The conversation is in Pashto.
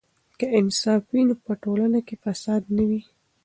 که انصاف وي نو په ټولنه کې فساد نه وي.